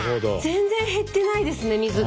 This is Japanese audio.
全然減ってないですね水が。